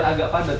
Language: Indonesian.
biar agak padat